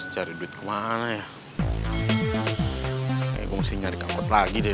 ku bikin kurus badan gendutmu itu